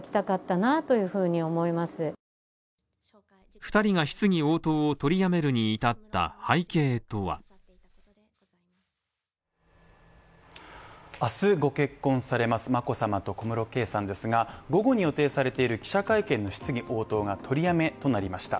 ２人が質疑応答を取りやめるに至った背景とは明日、御結婚されます眞子さまと小室圭さんですが、午後に予定されている記者会見の質疑応答が取りやめとなりました。